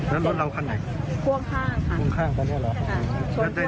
แล้วรถเราคันไหนพวกข้างค่ะได้ยังไม่บัดเจ็บไหม